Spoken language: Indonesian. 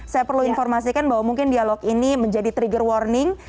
saya perlu informasikan bahwa mungkin dialog ini menjadi trigger warning